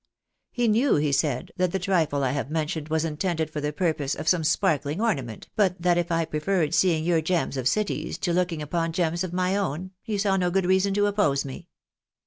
He knew, he said, that the trifle I have mentioned was intended for the purchase of some sparkling ornament, but that if I preferred seeing your gems of cities to looking upon gems of my own, he saw no good reason to oppose me.